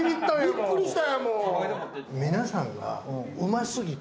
びっくりした。